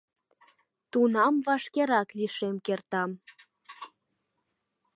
Тунам вашкерак лишем кертам.